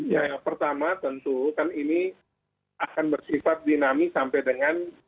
ya pertama tentu kan ini akan bersifat dinamis sampai dengan